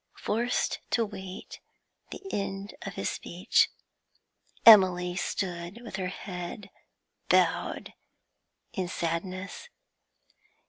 Forced to wait the end of his speech, Emily stood with her head bowed in sadness.